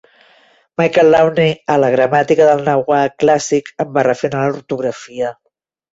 Michel Launey, a la gramàtica del nahua clàssic, en va refinar l'ortografia.